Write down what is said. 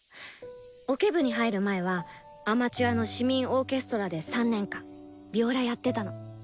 オケ部に入る前はアマチュアの市民オーケストラで３年間ヴィオラやってたの。